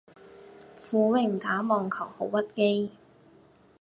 苦榮打網球好屈機